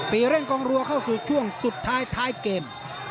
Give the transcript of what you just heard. เร่งกองรัวเข้าสู่ช่วงสุดท้ายท้ายเกม